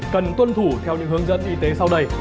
cần tuân thủ theo những hướng dẫn y tế sau đây